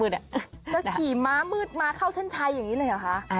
จะขี่ม้ามืดมาเข้าเส้นชัยอย่างนี้เลยเหรอคะ